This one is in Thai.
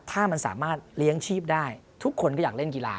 ถ้ามันสามารถเลี้ยงชีพได้ทุกคนก็อยากเล่นกีฬา